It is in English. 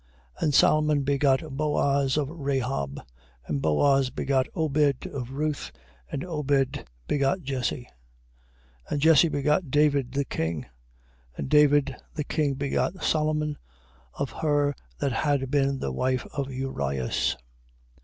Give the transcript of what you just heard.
1:5. And Salmon begot Booz of Rahab. And Booz begot Obed of Ruth. And Obed begot Jesse. 1:6. And Jesse begot David the king. And David the king begot Solomon, of her that had been the wife of Urias.